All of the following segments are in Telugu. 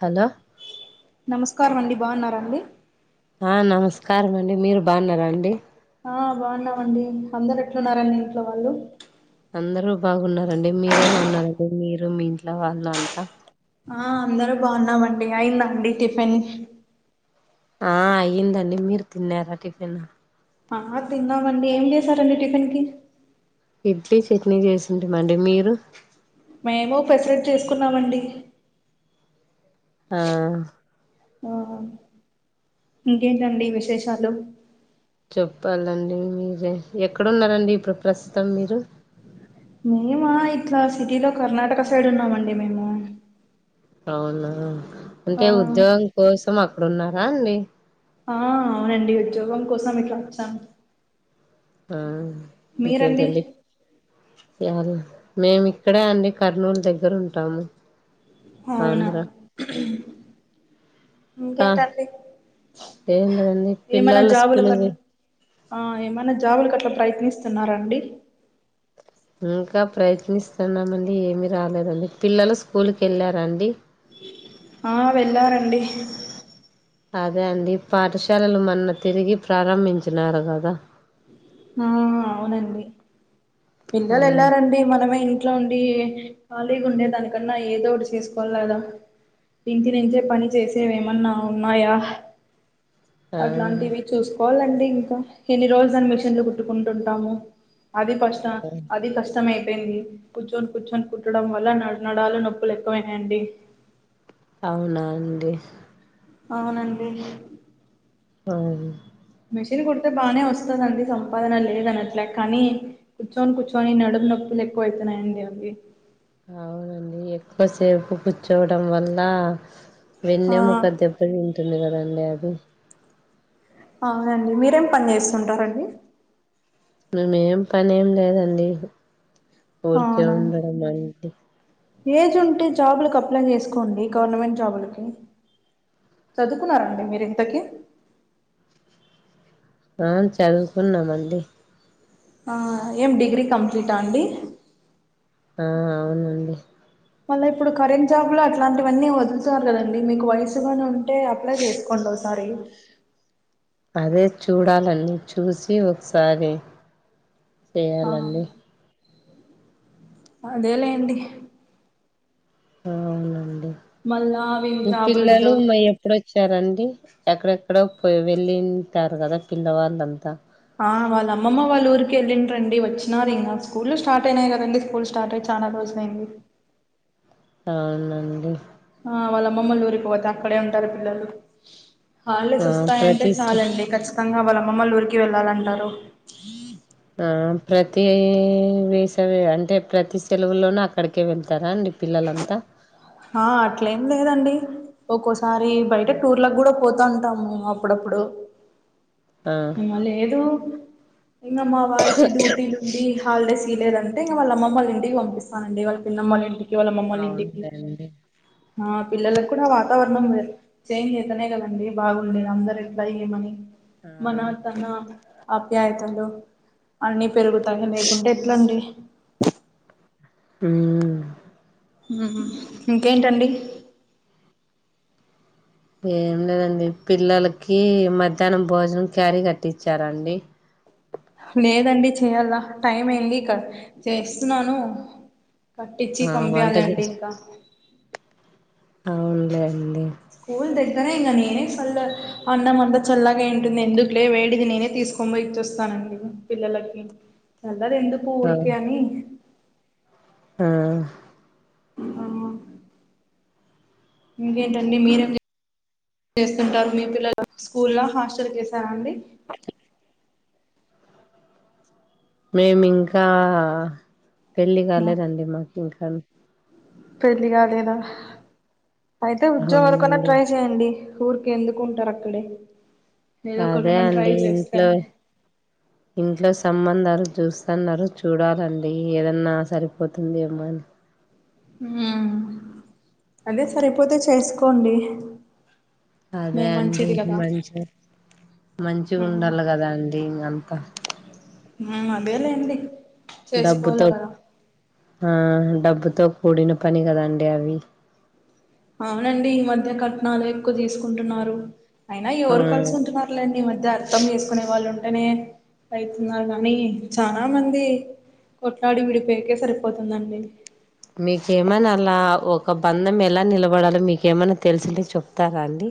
హలో నమస్కారం అండి బాగున్నార అండి ఆ నమస్కారం అండి మీరు బాన్నార అండి ఆ బాగున్నామండి అందరు ఎట్లున్నరు ఇంట్లో వాళ్ళు అందరు బాగున్నారండి మీరెలా ఉన్నారండి మీరు మీ ఇంట్లో వాళ్ళు అంతా ఆ అందరు బాగున్నామండి అయిందండి టిఫిన్ ఆ అయిందండి మీరు తిన్నారా టిఫిన్ ఆ తిన్నామండి ఏం చేశారండి టిఫిన్ కి ఇడ్లీ చట్నీ చేసింటిమండి మీరు మేము పెసరట్ చేసుకున్నామండి ఆ ఇంకేంటండి విశేషాలు చెప్పాలండి మీరే ఎక్కడున్నారండి ఇప్పుడు ప్రస్తుతం మీరు మేమ ఇట్లా సిటీలో కర్ణాటక సైడ్ ఉన్నామండి మేము అవునా ఆ అంటే ఉద్యోగం కోసం అక్కడున్నారా అండి ఆ అవునండి ఉద్యోగం కోసం ఇట్లా వచ్చాం ఆ మీరండి ఇంకేంటండి ప్యార్ల మేమిక్కడే అండి కర్నూల్ దగ్గర ఉంటాము అవునా ఆంధ్ర ఇంకెంటండి ఏం లేదండి ఏమనా పిల్లలు జాబులు స్కూల్ కి కనీ ఆ ఏమైనా జాబులు గట్లా ప్రయత్నిస్తున్నారా అండి ఇంకా ప్రయత్నిస్తున్నామండి ఏమి రాలేదండి పిల్లలు స్కూల్కి వెళ్ళారా అండి ఆ వెళ్ళారండి అదే అండి పాఠశాలలు మొన్న తిరిగి ప్రారంభించినారు కదా ఆ అవునండి ఆ పిల్లలెల్లారండి మనమే ఇం ఇంట్లో ఉండి ఖాళీగా ఉండే దానికన్నా ఏదో ఒకటి చేసుకోవాలదా ఇంటి నుంచే పని చేసేవేమన్నా ఉన్నాయా ఆ అట్లాంటివి చూస్కోవాలండి ఇంకా ఎన్ని రోజులని చెలు కుట్టుకుంటుంటాము అది కష్ట అది కష్టమయిపేమ్ది కూర్చొని కూర్చొని కుట్టడం వల్ల నడ నడాలు నొప్పులు ఎక్కువైనాయండి అవునా అండి అవునండి మరి మిషన్ కుడితే బానే వస్తదండి సంపాదన లేదనట్ల కానీ కూర్చొని కూర్చొని నడుం నొప్పులు ఎక్కువైతున్నాయండి అవి అవునండి ఎక్కువసేపు కూర్చోవడం వల్ల ఆ వెన్నెముక్కదెబ్ ఇక్కడే ఉంటుంది కదండి అది అవునండి మీరేం పన్ చేస్తుంటారండి మేమేం పనేం లేదండి ఊరికే అవునండి ఉండడం అది ఏజ్ ఉంటే జాబులకప్లై చేసుకోండి గవర్నమెంట్ జాబులకి చదుకున్నారండి మీరింతకీ ఆ చదువుకున్నామండి ఏం డిగ్రీ కంప్లీటా అండి ఆ అవునండి మళ్ళా ఇప్పుడు కరెంట్ జాబ్ ల అట్లాంటివన్నీ వదులుతున్నారు కదండి మీకు వయసుగానే అంటే అప్లై చేసుకోండోసారి అదే చూడాలండి చూసి ఒకసారి ఆ చేయాలండి అదే లే అండి అవునండి మళ్ళా అవి మీ జాబులు పిల్లలు ఉద్యోగ మయం ఇక్కడొచ్చారండి ఎక్కడెక్కడ పో వెళ్ళింటారు కదా పిల్లవాళ్ళంతా ఆ వాళ్ళ అమ్మమ్మ వాళ్ళూరికి ఎల్లింద్రండి వచ్చినారు ఇంకా స్కూల్ స్టార్ట్ అయినాయి కదం స్కూల్ స్టార్ట్ అయి చానా రోజులైంది అవునండి ఆ వాళ్ళ అమ్మమ్మలు ఊరికి పోతే అక్కడే ఉంటారు పిల్లలు హాల్ డేస్ ఆ వస్తాయంటే ప్రతి చాలండి ఖచ్చితంగా వాళ్ళమ్మమ్మలు ఊరికి వెళ్ళాలంటారు ఆ ప్రతి వేసవి అంటే ప్రతి సెలవులోన అక్కడికే వెళ్తారా అండి పిల్లలంతా హా అట్లేం లేదండి ఒక్కోసారి బయట టూర్ లక్ గూడా పోతాంటాము అప్పుడప్పుడు ఆ ఇంగ లేదు ఇంగ మా వాల్ కి డ్యూటీలు ఇండి హాలిడేస్ ఇయ్ లేదంటే ఇంగ వాళ్ళమ్మళ్ ఇంటికి పంపిస్తానండి వాళ్ళ పిన్నమ్మళ్ ఇంటికి వాళ్ళ అమ్మళ్ ఇంటికి అవునులేండి ఆ పిల్లలక్కూడా వాతావరణం వేర్ చేంజ్ చేతనే కదండి బాగుండే అందర్ ఎట్లా ఏమని ఆ మన తన్నా అప్యాయతలు అన్నీ పెరుగుతాయి లేకుంటే ఎట్లండి ఊమ్మ్మ్ ఉహ్మ్ ఇంకేంటండి ఏం లేదండి పిల్లలకి మధ్యాహ్నం భోజనం క్యారీ కట్టిచ్ఛారండి లేదండి చేయాలా టైం ఏంది ఇక్క చేస్తున్నాను కట్టిచ్చి ఆ వంట పంపియాలండి చేసి ఇకా అవునులేండి కూల్ దగ్గరే ఇంగ నేనే ఫల్ల అన్నం అంద చల్లగాయ్ ఉంటుంది ఎందుకులే వేడిది నేనే తీసుకొన్ బోయ్ ఇచ్చోస్తానండి పిల్లలకి చళ్లద్ ఎందు ఆ కూూర్కయని ఆ ఆ ఇంకే టండి మీరేమ్ జె చేస్తుంటారు మీ పిల్లలు స్కూల్ల హాస్టల్ కేసారాండి మేమ్ ఇంకా పెళ్ళి కాలేదండి మాక్ ఇంకన్ పెళ్లి కాలేదా అయితే ఉద్యోగర్ కన్నా అవునండి ట్రై చె్యండి ఊరికేందుకుంటార్ అక్కడే ఏదో అదే ఒకనేన ట్రై అండి జేస్తే ఇంట్లో ఇంట్లో సంబంధాలు చూస్తన్నారు చూడాలండి ఏదన్నా సరిపోతుంది ఏమ్మో అని ఊమ్ అదే సరిపోతే చేసుకోండి మే అదే అండి మంచిది కదా మంచ మంచి ఉండాలె కదాండి ఇంగ్ అంతా ఉ అదేలేండి డబ్బుతో చేసుకోవాల కదా ఆ డబ్బుతో కూడిన పని కదండి అవి అవునండి ఈ మధ్య కట్నాలు ఎక్కువ తీసుకుంటున్నారు అయినా ఆ ఎవరు కలిసి ఉంటున్నా అలెండి ఈ మధ్య అర్థం చేసుకునే వాళ్ ఉంటేనే అయితున్నాననీ చానా మంది కొట్లాడి విడిపోయేకే సరిపోతుందండి మీకేమనల్లా ఒక బంధం ఎలా నిలబడాలో మీకేమన తెలిసింటే చెప్తారా అండి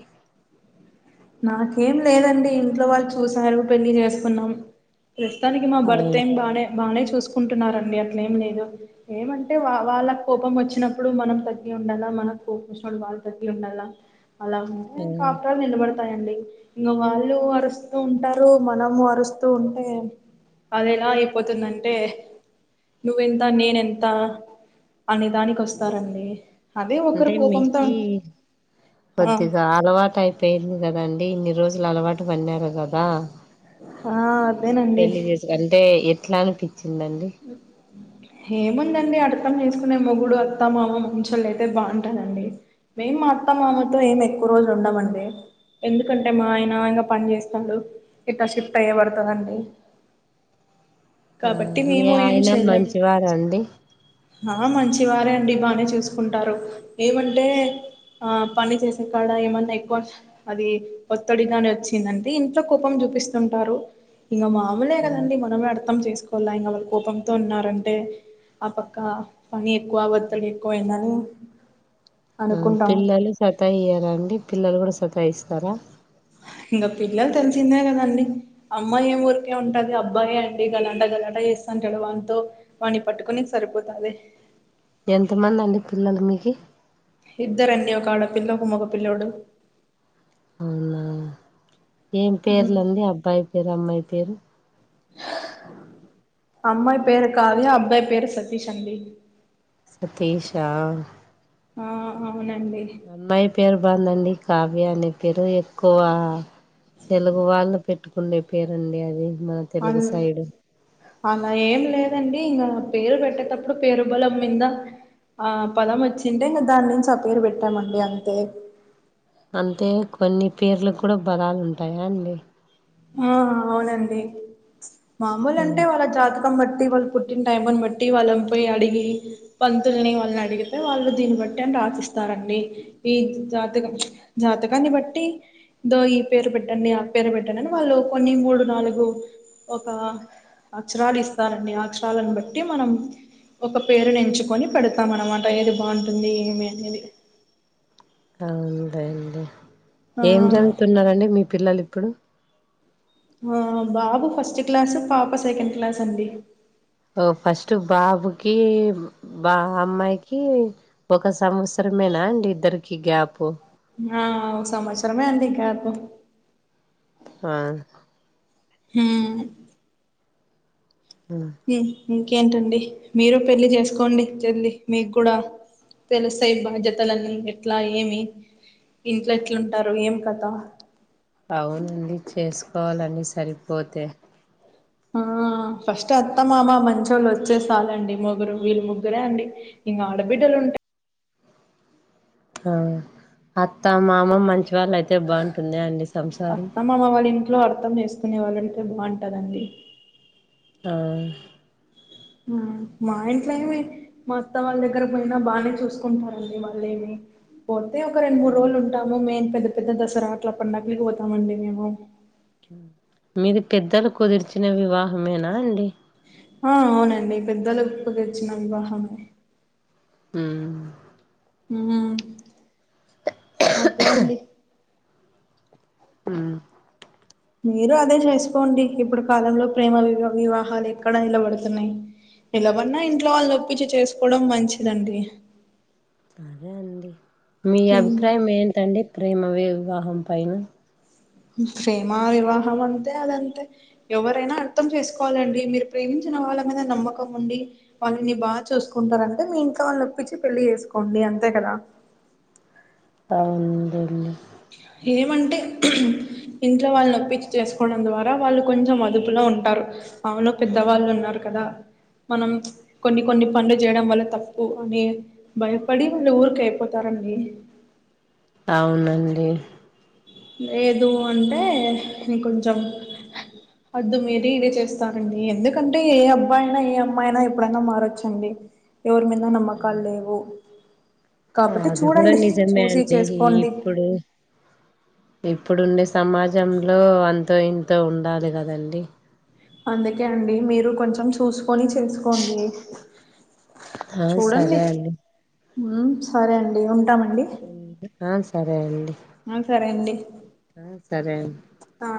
నాకేం లేదండి ఇంట్లో వాళ్ళు చూసారు పెళ్లి చేసుకున్నాం ప్రస్తుతానికి మా బర్త్ అవును ఏం బానే బానే చూసుకుంటున్నారండి అట్లే ఏం లేదు ఏమంటే వా వాళ్ళ కోపం ఒచ్చినప్పుడు మనం తగ్గి ఉండాల మనకు కోపం ఒచ్చినప్పుడు వాళ్ళు తగ్గి ఉండాల అలా ఉంటే ఉమ్ కాపురాల్ నిలబడు తాయండి ఇంగ వాళ్ళు అరుస్తూ ఉంటారు మనము అరుస్తూ ఉంటే అద్ ఎలా అయిపోతుందంటే నువ్వెంత నేనెంత అనేదాని ఉం అంటే కోపంతో మీకి ఆ కొద్దిగా అలవాటై పెంది కదండి ఇన్ని రోజుల్ అలవాటు పన్నారు గదా. ఆ అదేనండి. అంటే ఎట్లా అనిపిచిందండి. వ్ ఉ ఏముందండి అర్థం చేసుకునే మొగుడు అత్త మామ మంచోళ్ళు అయితే బాగుంటారండీ. మేం మా అత్త మామతో ఏమి ఎక్కువ రోజులు ఉండమండి. ఎందుకంటే మా ఆయన ఇంగ పని చేస్తాండు, ఇట్ల షిఫ్ట్ అయ్య పడుతదండి ఆ మీ మేము ఏం ఆయన చేయలేం మంచివార అండి. ఆ మంచివారే అండి బానే చూసుకుంటారు, ఏమంటే ఆ పని చేసే కాడ ఏమన్న ఎక్కువ అది ఒత్తడిగానే వచ్చింది [unintelligible] ఇంట్లో కోపం చూపిస్తుంటారు ఇంక మా మూలే కదండి మనమే అర్థం చేసుకోవాల ఇంగ వాళ్ళ కోపంతో ఉన్నారంటే ఆ పక్క పని ఎక్కువ వత్తడి ఎక్కువ అయిందని ఆ పిల్లలు సత ఇయ్యరా అండి, పిల్లలు కూడ సతాయిస్తర ఇంగ పిల్లలు తెలిసిందే కదండి అమ్మాయి ఏం ఊరికే ఉంటంది అబ్బాయే అండి గలాట గలాట చేస్తాంటడు వంతో వాని పట్టుకొనే కి సరిపోతాది ఎంతమంది అండి పిల్లలు మీకి ఇద్దరు అండి ఒక ఆడపిల్ల ఒక మోగ పిల్లోడు అవున ఏం పేర్లండి ఆ అబ్బాయి పేరు అమ్మాయి పేరు అమ్మాయి పేరు కావ్య అబ్బాయి పేరు సతీష్ అండి సతీశా ఆ అవునండి. అమ్మాయి పేరు బాందండి కావ్య అనే పేరు ఎక్కువ తెలుగు వాళ్లు పెట్టుకుండే పేరండి అది [unintelligible] వన్ సైడ్ అల ఏం లేదండి ఇంగ పేరు పెట్టేటప్పుడు పేరు బలం మీంద ఆ పదం వచ్చింటే ఇంగ దాని నుంచి ఆ పేరు పెట్టామండి అంతే అంతే కొన్ని పేర్లు కూడ బలాలు ఉంటాయ అండి ఆ అవునండి మామూలు ఆ! అంటే వాళ్ళ జాత జాతకం బట్టి వాళ్ళు పుట్టిన టైమును బట్టి వాళ్ళం పోయి అడిగి పంతుల్ని వాళ్ళని అడిగితే వాళ్ళు దీన్ని బట్టి అని రాసిస్తారండి ఈ జాతకం జాతకాన్ని బట్టి దో ఈ పేరు పెట్టండి ఆ పేరు పె వాళ్ళు కొన్ని మూడు నాలుగు ఒక అక్షరాలు ఇస్తారండి ఆ అక్షరాలను బట్టి మనం ఒక పేరునెంచుకొని పెడతాం అన్నమాట ఏది బాగుంటుంది ఏమి అనేది అ ఉంటాయండి ఆ ఏం చదువుతున్నరండి మీ పిల్లలు ఇప్పుడు ఆ బాబు ఫస్ట్ క్లాస్ పాప సెకండ్ క్లాస్ అండి. ఓ ఫస్ట్ బాబుకి బా అమ్మాయికి ఒక సంవత్సరమేన అండి ఇద్దరికి గ్యాప్ ఆ ఒక సంవత్సరమే అండి గ్యాపు ఆ ఉ ఉ ఇంకేంటండి మీరు పెళ్లి చేసుకోండి జల్లి మీకు కూడ తెలుస్తాయి బాధ్యతలన్నీ ఎట్ల ఏమి ఇంట్లో ఎట్లుంటారు ఏం కథ అవునండి చేసుకోవాలి అండి సరిపోతే ఆ ఫస్ట్ ఎ అత్తమామ మంచోళ్ళు వచ్చేసాలండి ముగ్గురు వీళ్ళు ముగ్గురే అండి మీ ఆడబిడల్ ఉంటా ఆ అత్త మామ మంచివాళ్ళ అయితే బాగుంటుంది అని అర్థం అమ్మ మామా వాళ్ళ ఇంట్లో అర్థం చేసుకునే వాళ్ళంటే బాగుంటదండి ఆ మా ఇంట్లో ఏమి మా అత్తా వాళ్ళ దగ్గర పోయినా బాగానే చూసుకుంటారండి వాళ్ళేమి పోతే ఒక రెండు మూడు రోజులు ఉంటాము మేం పెద్ద పెద్ద దసరా అట్లా పండగలిపోతామ అండి మేము మీది పెద్దలు కుదిర్చిన వివాహమేనా అండి ఆ అవునండి పెద్దలుప్పు తెచ్చిన వివాహమే హ హ అదే అండి ఆ మీరు అదే చేసుకోండి ఇప్పుడు కాలంలో ప్రేమ వి వివాహాలు ఎక్కడా నిలబడుతున్నాయి నిలవన్నా ఇంట్లో వాళ్ళు ఒప్పించి చేసుకోవడం మంచిదండి సరే అండి మీ అభిప్రాయం ఏంటండి ప్రేమ వివాహం పైన ప్రేమ వివాహం అంతే అదంతే ఎవరైనా అర్థం చేసుకోవాలండి మీరు ప్రేమించిన వాళ్ళ మీద నమ్మకం ఉండి వాళ్ళని బాగా చూసుకుంటారంటే మీ ఇంట్లో వాళ్ళు ఒప్పించి పెళ్లి చేసుకోండి అంతే కదా అవున్లేండీ ఏమంటే ఇంట్లో వాళ్ళు నొప్పిించి చేసుకోవడం ద్వారా వాళ్ళు కొంచెం అదుపులో ఉంటారు అవును పెద్దవాళ్ళు ఉన్నారు కదా మనం కొన్ని కొన్ని పనులు చేయడం వల్ల తప్పు అనే భయపడి ఇంగ ఊరికే అయిపోతారండి అవునండి లేదు అంటే నేను కొంచెం హద్దు మీరి ఇదే చేస్తారండి ఎందుకంటే ఏ అబ్బాయినా ఏ అమ్మాయినా ఎప్పుడైనా మారొచ్చండి ఎవరి మీద నమ్మకాల్ లేవు కాబట్టి అది కూడా చూడండి నిజమే చూసి అండి చేసుకోండి ఇప్పుడు ఇప్పుడుండే సమాజంలో అంతో ఇంతో ఉండాలి కదండి అందుకే అండి మీరు కొంచెం చూసుకొని చేసుకోండి ఆ చూడండి సరే అండి ఉమ్ సరే అండి ఉంటామండి ఆ సరే అండి ఆ సరే అండి ఆ సరే అండి ఆ